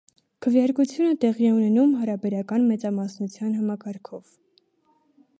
Քվեարկությունը տեղի է ունենում հարաբերական մեծամասնության համակարգով։